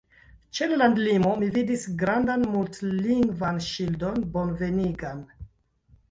Ĉe la landlimo, mi vidis grandan mult-lingvan ŝildon bonvenigan.